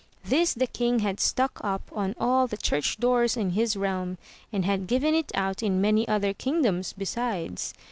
This the king had stuck up on all the church doors in his realm, and had given it out in many other kingdoms besides.